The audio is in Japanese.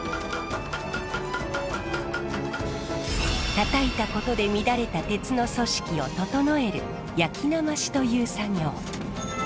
叩いたことで乱れた鉄の組織を整える焼きなましという作業。